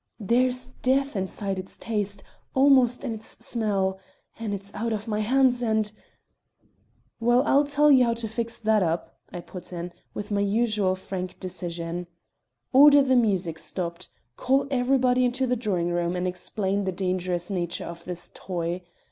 There's death in its taste, almost in its smell; and it's out of my hands and " "Well, I'll tell you how to fix that up," I put in, with my usual frank decision. "Order the music stopped; call everybody into the drawing room and explain the dangerous nature of this toy.